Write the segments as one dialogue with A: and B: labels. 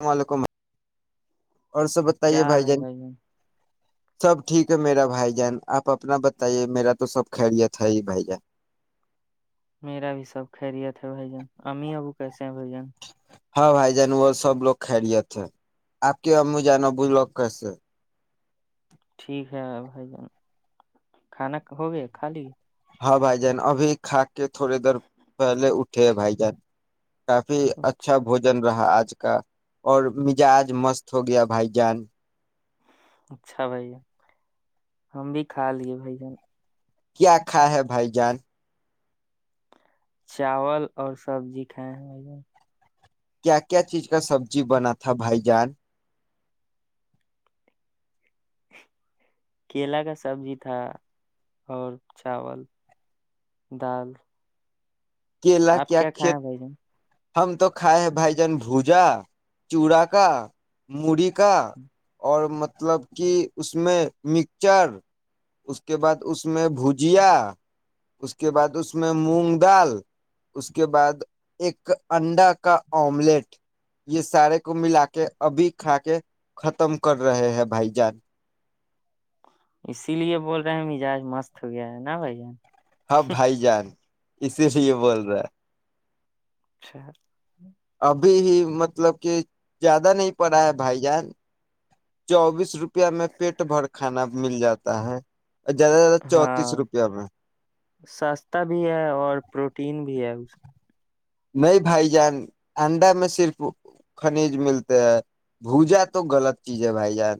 A: السلام علیکم اور سب
B: کیا
A: بتائیے
B: حال
A: بھائی
B: ہے
A: جان سب ٹھیک ہے میرا بھائی جان آپ اپنا بتائیے میرا تو سب خیریت ہے ہی بھائی جان
B: میرا بھی سب خیریت ہے بھائی جن امی ابو کیسے ہیں بھائی جن
A: ہاں بھائی جان وہ سب لوگ خیرییت تھے آپ کے ا جانا بول لو کیسے
B: ٹھیک ہے بھائی جان کھانا ہوگے خالی
A: ہاں بھائی جان ابھی کھا کے تھوڑی دیر پہلے اٹھے ہیں بھائی جان کافی اچھا بوجن رہا آج کا اور مزاج مست ہو گیا بھائی جان
B: اچھا بھائی ہم بھی کھا لیے بھائی جان
A: کیاکھھا ہے بھائی جان
B: چاول اور سبزی کھائے ہیں
A: کیا کیا چیز کا سبزی بنا تھا بھائی جان
B: کیلا کا سبزی تھا اور چاول دال
A: کیلا
B: آپ
A: کیا
B: کھائے
A: کت
B: ہیں بھائی جان
A: ہم تو کھائے ہیں بھائی جان بھجا چوڑا کا مڑی کا اور م مطلب کہ اس میں مکچر اس کے بعد اس میں بھجیا اس کے بعد اس میں مونگ دال اس کے بعد ایک انڈا کا آملیٹ یہ سارے کو ملا کے ابھی کھا کے ختم کر رہے ہیں بھائی جان
B: اسی لیے بول رہے ہیں مزاج مست ہو گیا ہے نا بھائی جان
A: ہاں بھائی جان اسی لیے یہ بول رہا ہے
B: [inaudible]
A: ابھی ہی مطلب کہ زیادہ نہیں پڑا ہے بھائی جان چوبیس روپیہ میں پیٹ بھر کھانا مل جاتا ہے زیادہ سے زیادہ
B: ہاں
A: چونتیس روپیہ میں
B: سستا بھی ہے اور پروٹین بھی ہے [inaudible]
A: نہیں بھائی جان انڈا میں صرف خنیج ملتے ہے بھوجا تو غلط چیز ہے بھائی جان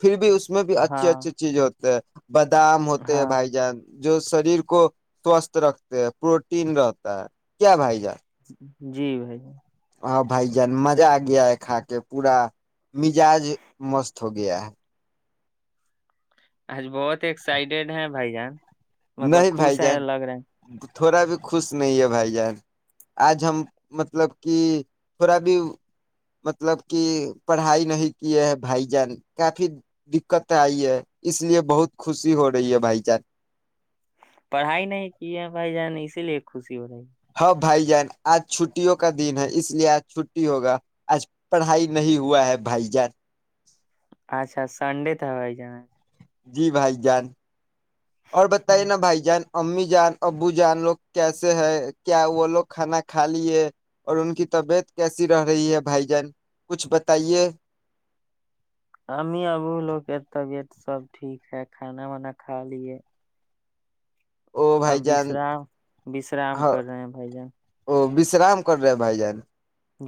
A: پھر بھی اس میں بھی
B: ہاں
A: اچھی اچھی چیزیں ہوتی ج بادام ہوتے ہیں
B: ہاں
A: بھائی جان جو شریر کو سوستھ رکھتے ہیں پروٹین رہتا ہے کیا بھائی جار
B: جی بھائی ج
A: ہاں بھائی جان مزہ آ گیا ہے کھا کے پورا مزاج مست ہو گیا ہے
B: اچج بہت ایکسائٹیڈ ہیں بائی جان مطلب
A: نہیں بھائی
B: خوش ہیں
A: جان
B: لگ رہے ہیں
A: تھوڑا بھی خوش نہیں ہے بھائی جان آج ہم مطلب کہ تھوڑا بھی مطلب کہ پڑھائی نہیں کیے ہیں بھائی جان کافی دقت آئی ہے اس لیے بہت خوشی ہو رہی ہے بھائی جان
B: پڑھائی نہیں کی ہے بھائی جان اسی لیے خوش ی ہو رہائی
A: ہاں بھائی جان آج چھٹیوں کا دن ہے اس لیے آج چھٹی ہوگا آج پڑھائی نہیں ہوا ہے بھائی جان
B: تا ہو جنا
A: جی بھائی جان اور بتائیے
B: ہوں
A: نا بھائی جان امی جان ابو جان لوگ کیسے ہے کیا وہ لوگ کھانا کھا لیے اور ان کی طبیعت کیسی رہ رہی ہے بھائی جان کچھ بتائیے
B: امی ابو لوگ کے طبیعت سب ٹھیک ہے کھانا وانا کھا لیے
A: او بھائی جان
B: ابشرام وشرام کر رہے ہیں بھائی جان
A: تو وشرام کر رہے ہیں بھائی جان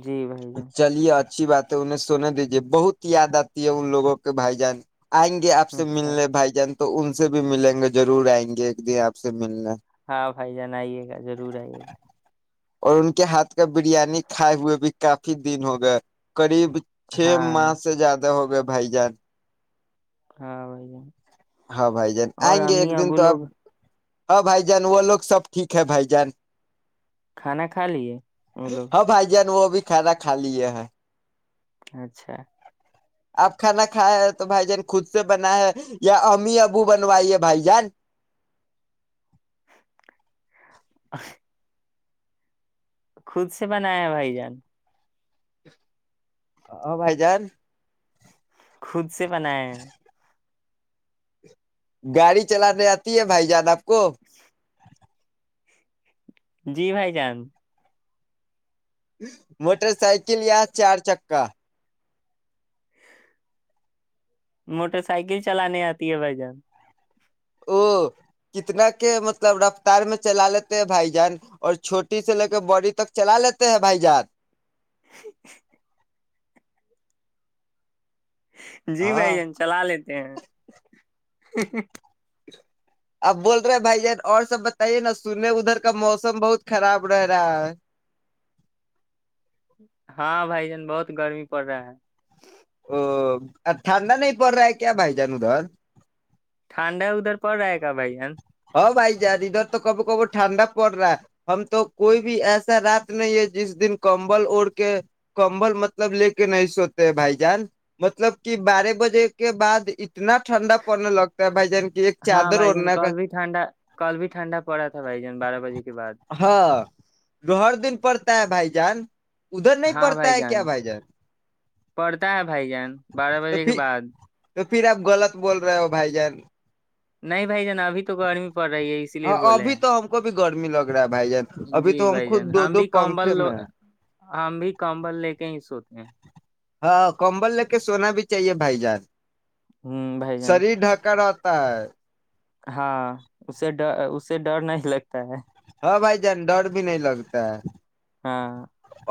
B: جی بھائی جان
A: چلیے اچھی بات ہے انہیں سنے دیجے بہت یاد آتی ہے ان لوگوں کے بھائی جان آئیں گے آپ سے
B: اچھا
A: ملنے بھائی جان تو ان سے بھی ملیں گے ضرور آئیں گے ایک دن آپ سے ملنا
B: ہاں بھائی جان آئیے گا ضرور آئیے گا
A: اور ان کے ہاتھ کا بریانی کھائے ہوئے بھی کافی دن ہو گیا قریب چھ
B: ہاں
A: ماہ سے زیادہ ہو گئے بھائی جان
B: ہاں بھائی جان
A: ہاں بھائی جان
B: اور
A: آئیں گے ایک
B: امی
A: دن
B: ابو
A: تو آپ
B: لوگ
A: ہاں بھائی جان وہ لوگ سب ٹھیک ہے بھائی جان
B: کھانا کھا لیے وہ لوگ
A: ہاں بھائی جان وہ بھی کھدا کھا لیے ہے
B: اچھا
A: آپ کھانا کھائے ہے تو بھائی جان خود سے بنا ہے یا امی ابو بنوائیے بھائی جان
B: [unintelligible] خود سے ب ن ہے بھائی جان
A: ہاں بھائی جان
B: خود سے بناائے
A: گاڑی چلانے آتی ہے بھائی جیادہ ک
B: جی بھائی جان
A: م [unintelligible] موٹر سائکل یا چار چک ککا [unintelligible]
B: موٹر سائیکل چلانے آتی ہے بھائی جان
A: او کتنا کے مطلب رفتار میں چلا لیتے ہیں بھائی جان اور چھوٹی سے لے کے بڑی تک چلا لیتے ہیں بھائی جان
B: [unintelligible] جی بھائی
A: ہاں
B: جین چلا لیتے ہیں [unintelligible]
A: اب بول رہے بھائی جان اور سب بتائیے نا سننے ادھر کا موسم بہت خراب رہ رہا ہے
B: ہاں بھائی جان بہت گرمی پڑ رہا ہے
A: ا ٹھنڈا نہیں پڑ رہا ہے کیا بھائی جان در
B: ٹھانڈا ادھر پڑ رہ ہے بھائیین
A: ہ بھائی جان ادھر تو کبھی کبھی ٹھنڈا پڑ رہا ہے ہم تو کوئی بھی ایسا رات نہیں ہے جس دن کمبل اوڑ کے کمبل مطلب لے کے نہیں سوتے ہیں بھائی جان مطلب کہ بارہ بجے کے بعد اتنا ٹھنڈا پڑنے لگتا ہے بھائی جان کی ایک
B: ہاں
A: چادر
B: بھائی جان
A: اڑنے کا
B: کل بھی ٹھنڈا کل بھی ٹھنڈا پڑا تھا بھائی جان بارہ بجے کے بعد
A: جو ہر دن پڑتا ہے بھائی جان ادھر نہیں
B: ہاں
A: پڑتا
B: بھائی
A: ہے کیا
B: جان
A: بھائی
B: پڑھتا ہے بھائی جان بارہ
A: تو
B: بجے کے
A: پھر
B: بعد
A: تو پھر آپ غلط بول رہے ہو بھائی جان
B: نہیں بھائی جا ابھی تو گرمی پڑ رہی ہے اسی لیے
A: ہاں
B: بولے
A: ابھی
B: ہیں
A: تو ہم کو بھی گرمی لگ رہا ہے بھائی جان ابھی
B: جی
A: تو ہم
B: بھائی جان
A: خود دو
B: ہم
A: دو
B: بھی
A: پنکھے
B: کمبلو
A: میں ہیں.
B: ہم بھی کمبل لے کے ہی سوتے ہیں
A: ہاں کمبل لے کے سونا بھی چاہیے بھائی جان
B: ہ بھائی جان
A: شریر ڈھکا رہ ہ [unintelligible]
B: ہاں اسے ڈ اس اس سے ڈر نہیں لگتا ہے
A: ہاں بھائی جان ڈر بھی نہیں لگتا ہے
B: ہاں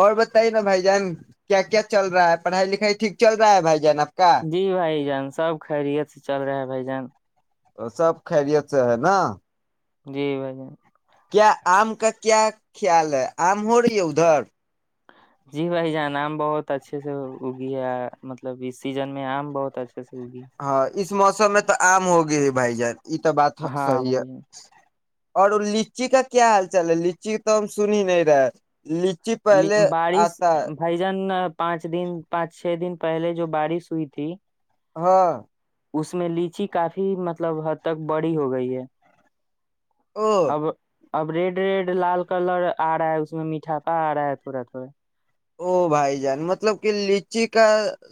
A: اور بتائیے نا بھائی جان کیا کیا چل رہا ہے پڑھائی لکھائی ٹھیک چل رہا ہے بھائی جان اب
B: جی بھائی جان سب خیریت سے چل رہا ہے بھائی جان
A: اور سب خیریت سے ہے نا
B: جی بھائی جان
A: کیا آم کا کیا خیال ہے آم ہو رہی ہے ادھر
B: جی بھائی جان آم بہت اچھے سے اگی ہے مطلب اس سیزن میں آم بہت اچھا کیسے ہوگی
A: ہاں اس موسم میں تو آم ہو گئے ہی بھائی جان یہ تو بات
B: ہاں
A: صی ہے
B: بھائی جان
A: اور لچی کا کیا حال چال ہے لچی کا تو ہم سن ہی نہیں رہے پہلے
B: بارش
A: آتا ہے
B: بیجن پانچ دن پانچ چھ دن پہلے جو بارش ہوئی تھی
A: ہاں
B: اس میں لیچی کافی مطلب حد تک بڑی ہو گئی ہے
A: ا [unintelligible]
B: اب اب ریڈ ریڈ لال کلر آ رہا ہے اس میں میٹاپا آ رہا ہے تھوڑا تھوڑا
A: او بھائی جان مطلب کہ لچی کا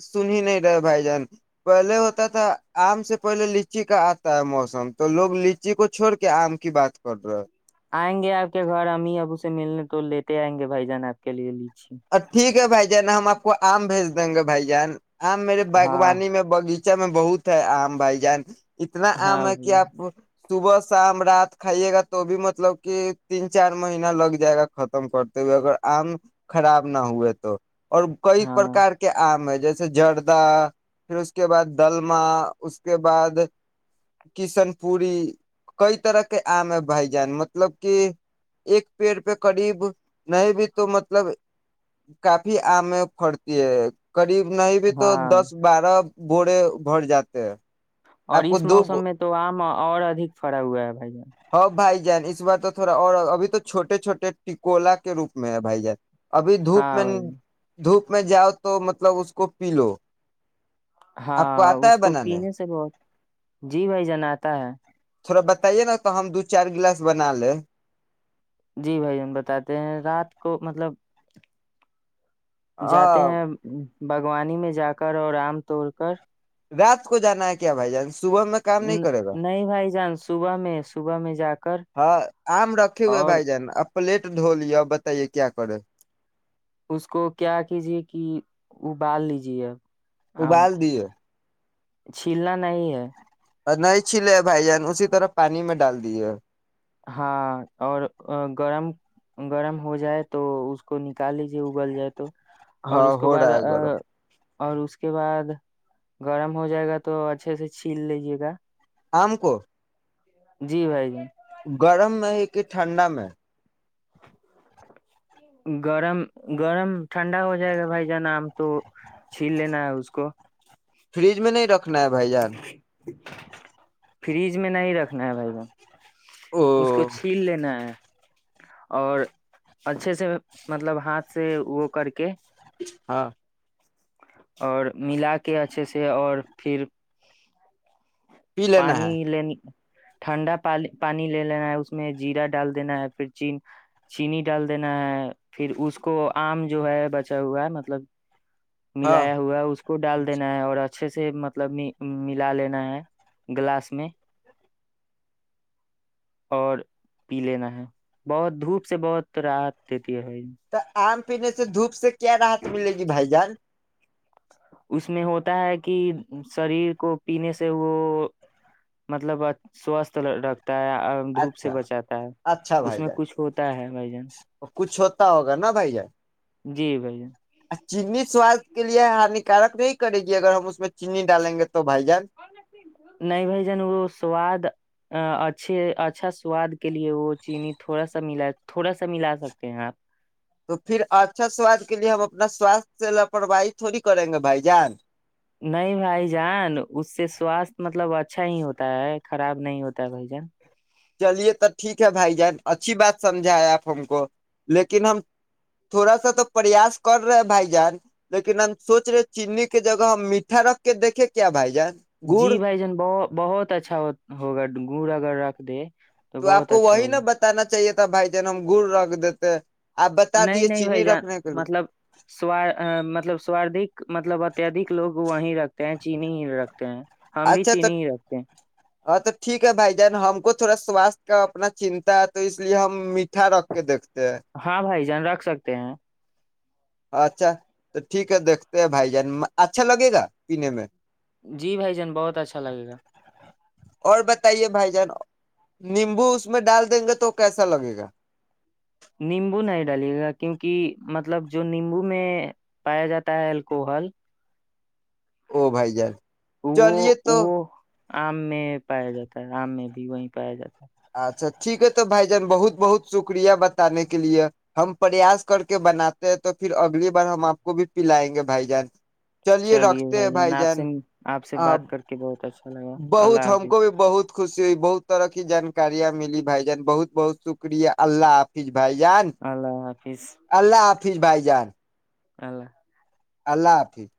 A: سن ہی نہیں رہے بھائی جان پہلے ہوتا تھا آم سے پہلے لچی کا آتا ہے موسم تو لوگ لچی کو چھوڑ کے آم کی بات کر رہے
B: آئیں گے آپ کے گھر امی ابو سے ملنے تو لیتے آئیں گے بھائی جان آپ کے لیے لی
A: ا ٹھیک ہے بھائی نا ہم آپ کو آم بھیج دیں گے بھائی جان آ میرے
B: ہاں
A: باغبانی میں بغیچہ اچ میں بہت ہے عام بھائی جان اتنا
B: ہاں
A: آم ہے
B: بھائی
A: کہ
B: جان
A: آپ صبح شام رات کھائیے گا تو بھی مطلب کہ تین چار مہین لگ جائے گا ختم کرتے ہوئے اگر آم خراب نہ ہوئے تو اور کئی
B: ہاں
A: پرکار کے آم ہے جیسے جردہ پھر اس کے بعد دلمہ اس کے بعد کشن پوری کئی طرح کے آم ہے بھائی جان مطلب کہ ایک پیڑ پہ قریب نہیں بھی تو م مطلب کافی آم میں پڑتی ہے قریب نہیں بھی تو
B: ہاں
A: دس بارہ بورے بھر جاتے ہیں
B: اور
A: آپ کو
B: اس
A: دو
B: موسم
A: ب...
B: میں تو آم اور ادک فھرا ہوا ہے بھائی جان
A: ج اس بار تو تھوڑا اور ابھی تو چوٹے چھوٹے ٹکولا کے روپ میں ہے بھائی جان ابھی دھوپ
B: ہاں
A: میں
B: بھائی
A: دھپ میں جاؤ تو مطلب اس کو پی لو آپ
B: ہاں
A: آتا ہے
B: اس کو
A: بنانے
B: پینے سے بہت جی بھائی جن آاتتا ہے
A: تھوڑا بتائیے نا تو ہم دو چار گلاس بنا لیں
B: جی بھائی ہم بتاتے ہیں رات کو مطلب جاتے
A: ہاں
B: ہیں باوانی میں جا کر اور آم توڑ کر
A: رات کو جانا ہے کیا بھائی جان صبح میں کام نہیں کرے گا
B: بھائی جان صبح میں صبح میں جا کر
A: ہاں آم رکھے ہوئے
B: اور
A: بھائی جان اب پلیٹ ڈھو لیا بتائیے کیا کرے
B: اس کو کیا کیجیے کہ ابال لیجیے اب آم
A: ابال
B: کو
A: دیے
B: چھیلنا نہیں ہے
A: اور نہیں چھلے بھائی جان اسی طرح پانی میں ڈال دیے
B: ہاں اور گرم گرم ہو جائے تو اس کو نکال لیجیے اگل جائے تو اور
A: ہاں
B: اس کو
A: ہو
B: بعد
A: رہا ہے گھر
B: اور اس کے بعد گرم ہو جائے گا تو اچھے سے چھیل لیجیے گا
A: آم کو
B: جی بھائی جی
A: گرم میں ہے کہ ٹھنڈا میں
B: گرم گرم ٹھنڈا ہو جائے گا بھائی جانا آم تو چھیل لینا ہے اس کو
A: فریج میں نہیں رکھنا ہے بھائی ار
B: فریج میں نہیں رکھنا ہے بھائییا
A: او
B: اس کو چھیل لینا ہے اور اچھے سے مطلب ہاتھ سے وہ کر کے
A: ہاں
B: اور ملا کے اچھے سے اور پھر
A: پی لینا
B: پانی
A: ہے
B: لین ٹھنڈا پانی لے لینا ہے اس میں زیرہ ڈال دینا ہے پھر چین چینی ڈال دینا ہے پھر اس کو آم جو ہے بچا ہوا ہے مطلب
A: ہاں
B: ملایا ہوا ہے اس کو ڈال دینا ہے اور اچھے سے مطلب ملا لینا ہے گلاس میں اور پی لینا ہے بہت دھوپ سے بہت رات دیتے پی ہو
A: تو آم پینے سے دھوپ سے کیا راحت ملے گی بھائی جان
B: اس میں ہوتا ہے کہ شریر کو پینے سے وہ مطلب سوستھ رکھ
A: اچھا اچھا
B: اس
A: بھائی
B: میں
A: جان
B: کچھ ہوتا ہے بھائی جان
A: کچھ ہوتا ہوگا نا بھائی جان
B: جی بھائی
A: چیننی سواست کے لیے ہانیکارک نہیں کرے گی اگر ہم اس میں چینی ڈالیں گے تو بھائی جان
B: نہیں بھائی جان وہ سواد اچھے اچھا سواد کے لیے وہ چینی تھوڑا سا ملا تھوڑا سا ملا سکتے ہیں آپ
A: تو پھر اچھا سواد کے لیے ہم اپنا سوست سے لاپرواہی تھوڑی کریں گے بھائی جان
B: نہیں بھائی جان اس سے سواستھ مطلب اچھا اچھا ہی ہوتا ہے خراب نہیں ہوتا ہے بھائی جان
A: چلیے تو ٹھیک ہے بھائی جان اچھی بات سمجھائے آپ ہم کو لیکن ہم تھوڑا سا تو پریاس کر رہے ہیں بھائی جان لیکن ہم سوچ رہے چیننی کے جگہ ہم میٹھا رکھ کے دیکھے کیا بھائی جان گڑ
B: جی بھائی جان بت بہت اچھا ہوگا گورا گا د
A: تو آپ کو وہی بنانا چاہیے تھا۔ ب بھائی جن ہم گڑ رکھ دیتے آپ بتا
B: نہیں
A: دیے
B: نہیں بھائی
A: چینی
B: جان
A: رکھنے کے لیے
B: مطلب سار مطلب سواردک مطلب اتیہدک لوگ وہیں رکھتے تینچی نہیں رکھتا ہیں ہم بھی
A: اچھا تو
B: چینی ہی رکھتے ہیں
A: ہاں تو ٹھیک ہے بھائی جان ہم کو تھوڑا سوستھ کا اپنا چنتا ہے تو اس لیے ہم اھا رکھ کے دیکھتے ہیں
B: ہاں بھائی رکھ سکتے ہیں
A: اچھا تو ٹھیک ہے دیکھتے ہیں بھائی جان اچھا لگے گا پینے میں
B: جی بھائی جان بہت اچھا لگے گا
A: اور بتائیے بھائی جان نیمبو اس میں ڈال دیں گے تو کیسا لگے گا
B: نیمبو نہیں ڈالے گا کیونکہ مطلب جو نیمبو میں پایا جاتا ہے الکوہل
A: او بھائی جال چلیے
B: وہ
A: تو
B: وہ آم میں پایا جاتا ہے آم میں بھی وہیں پایا جاتا ہے
A: اچھا ٹھیک ہے تو بھائی جان بہت بہت شکریہ بتانے کے لیے ہم پریاس کر کے بناتے ہیں تو پھر اگلی بار ہم آپ کو بھی پلائیں گے بھائی جان
B: چلیے بھائی جان آپ سے آپ سے بات کر کے بہت اچھا لگا
A: بہت
B: اللہ
A: ہم کو
B: حافظ
A: بھی بہت خوشی ہوئی بہت طرح کی جان ں ملی بھائی جان بہت بہت شکریہ اللہ حافظ بھائی جان
B: اللہ حافظ
A: اللہ آپ خوش بھائی جان
B: اللہ
A: اللہ حافظ